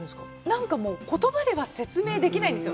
なんか言葉では説明できないんですよ。